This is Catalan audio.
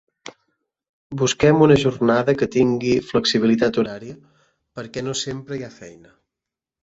Busquem una jornada que tingui flexibilitat horària, perquè no sempre hi ha feina.